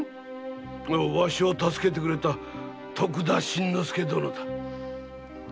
わしを助けてくれた徳田新之助殿だ。